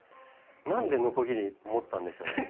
何でのこぎり持ったんでしょうね